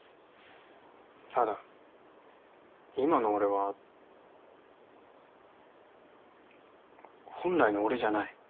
ただ今の俺は本来の俺じゃない。